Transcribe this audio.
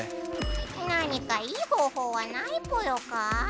何かいい方ほうはないぽよか？